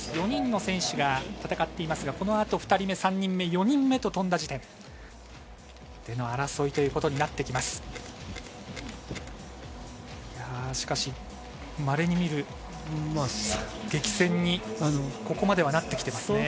４人の選手が戦っていますが、このあと２人目、３人目４人目と飛んだ時点での争いということになってきます。